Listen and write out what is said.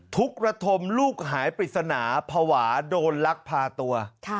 กระทมลูกหายปริศนาภาวะโดนลักพาตัว